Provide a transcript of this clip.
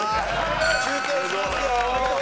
中継しますよ！